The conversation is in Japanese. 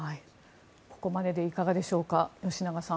ここまででいかがでしょうか、吉永さん。